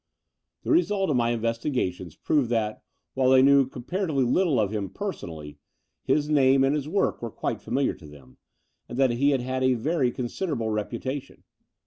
The result of my investigations proved that, while they knew comparatively little of him personally, his name and his work were quite familiar to them, and that he had a very considerable reputation.